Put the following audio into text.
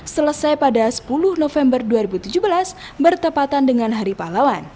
selesai pada sepuluh november dua ribu tujuh belas bertepatan dengan hari pahlawan